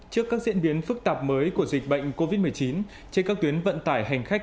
trước các diễn biến phức tạp mới của dịch bệnh covid một mươi chín trên các tuyến vận tải hành khách